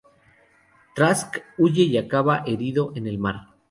Trask huye y acaba herido en el mar.